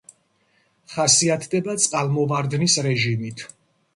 ხასიათდება წყალმოვარდნის რეჟიმით.